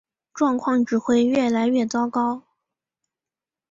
状况只会越来越糟糕